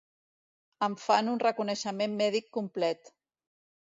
Em fan un reconeixement mèdic complet.